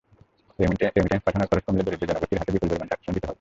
Remittance পাঠানোর খরচ কমলে দরিদ্র জনগোষ্ঠীর হাতে বিপুল পরিমাণ টাকা সঞ্চিত হবে।